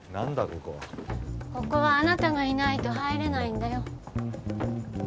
ここはここはあなたがいないと入れないんだよ